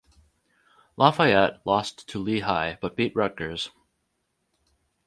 Lafayette lost to Lehigh but beat Rutgers.